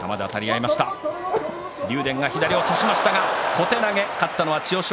小手投げ勝ったのは千代翔